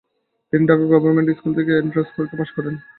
তিনি Dhaka government school থেকে entrance পরীক্ষা পাস করেন।